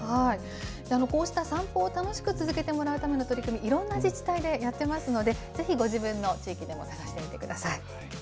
こうした散歩を楽しく続けてもらうための取り組み、いろんな自治体でやってますので、ぜひご自分の地域でも探してみてください。